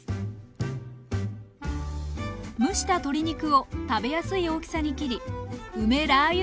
蒸した鶏肉を食べやすい大きさに切り梅ラー油